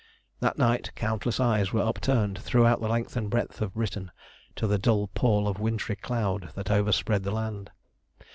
That night countless eyes were upturned throughout the length and breadth of Britain to the dun pall of wintry cloud that overspread the land.